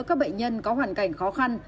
các bệnh nhân có hoàn cảnh khó khăn